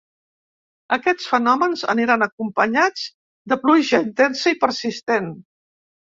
Aquests fenòmens aniran acompanyats de pluja intensa i persistent.